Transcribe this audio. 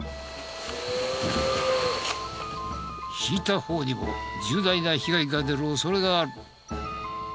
ひいた方にも重大な被害が出る恐れがある。